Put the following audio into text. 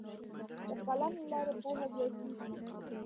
د قلم له لارې پوهه زیاتیږي.